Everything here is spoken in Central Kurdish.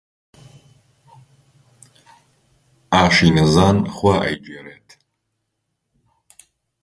ئاشی نەزان خوا ئەیگێڕێت